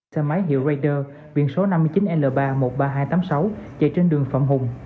xe máy hiệu reder biển số năm mươi chín l ba một mươi ba nghìn hai trăm tám mươi sáu chạy trên đường phạm hùng